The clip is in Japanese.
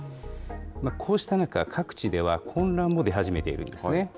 こうした中、各地では混乱も出始めているんですね。